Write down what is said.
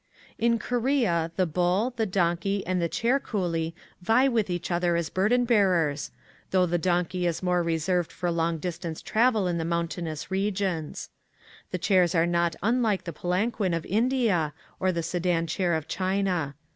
In K^orea the bull, the donkey, and the chair coolie vie with each other as bur den bearers, though the donkey is more reserved for long distance travel in the mountainous regions. The chairs are not unlike the palanquin of India or the Sedan chair of China.